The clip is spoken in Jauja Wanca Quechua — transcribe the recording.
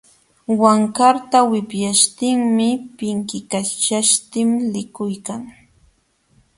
Wankarta wipyaśhtinmi pinkikaćhaśhtin likuykan.